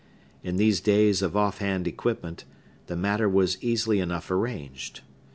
In these days of off hand equipment, the matter was easily enough arranged.